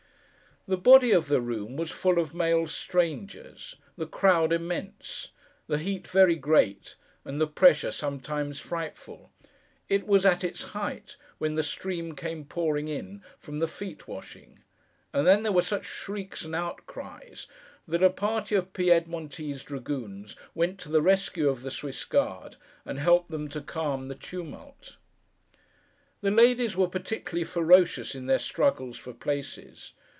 The body of the room was full of male strangers; the crowd immense; the heat very great; and the pressure sometimes frightful. It was at its height, when the stream came pouring in, from the feet washing; and then there were such shrieks and outcries, that a party of Piedmontese dragoons went to the rescue of the Swiss guard, and helped them to calm the tumult. The ladies were particularly ferocious, in their struggles for places.